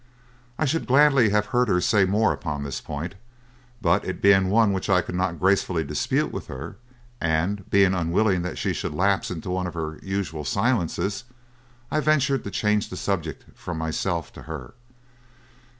"I should gladly have heard her say more upon this point, but it being one which I could not gracefully dispute with her, and being unwilling that she should lapse into one of her usual silences, I ventured to change the subject from myself to her.